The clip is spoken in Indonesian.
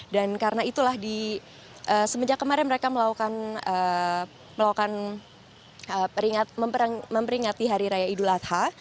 dan karena itulah semenjak kemarin mereka melakukan memperingati hari raya idul adha